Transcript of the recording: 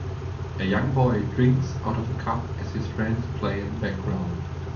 A young boy drinks out of a cup as his friends play in the background